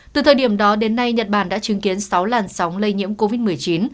từ thời điểm đó đến nay nhật bản đã chứng kiến sáu làn sóng lây nhiễm covid một mươi chín